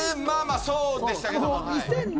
まあまあそうでしたけども。